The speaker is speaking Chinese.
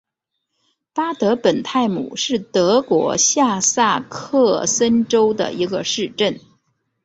巴德本泰姆是德国下萨克森州的一个市镇。